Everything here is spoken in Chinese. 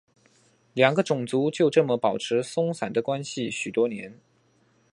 两个种族就这么保持松散的关系许多年。